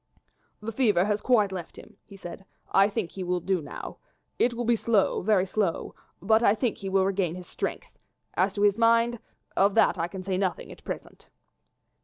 "The fever has quite left him," he said; "I think he will do now. It will be slow, very slow, but I think he will regain his strength; as to his mind, of that I can say nothing at present."